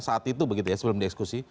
saat itu begitu ya sebelum dieksekusi